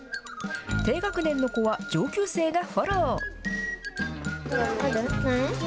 低学年の子は上級生がフォロー。